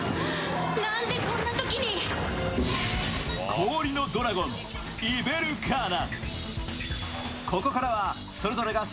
氷のドラゴン・イヴェルカーナ。